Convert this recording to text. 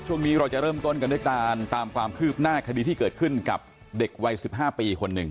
ช่วงนี้เราจะเริ่มต้นกันด้วยการตามความคืบหน้าคดีที่เกิดขึ้นกับเด็กวัย๑๕ปีคนหนึ่ง